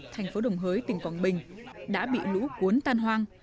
thành phố đồng hới tỉnh quảng bình đã bị lũ cuốn tan hoang